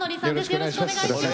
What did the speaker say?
よろしくお願いします。